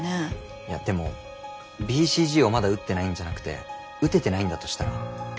いやでもＢＣＧをまだ打ってないんじゃなくて打ててないんだとしたら。